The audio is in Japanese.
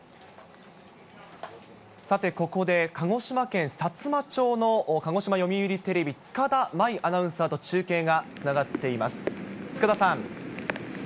さて、ここで鹿児島県さつま町の鹿児島読売テレビ、つかだまいアナウンサーと中継がつながっています。